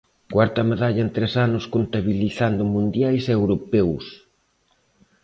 Cuarta medalla en tres anos contabilizando mundiais e europeos.